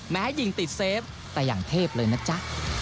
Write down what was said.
แม้ยิงติดเซฟแต่อย่างเทพเลยนะจ๊ะ